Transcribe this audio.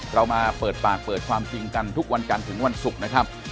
เรามาเปิดปากเปิดความจริงกันทุกวันกันถึงวันศุกร์นะครับ